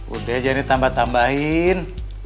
udah jangan ditambah tambahin